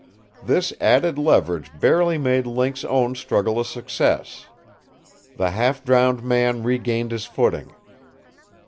This added leverage barely made Link's own struggle a success. The half drowned man regained his footing.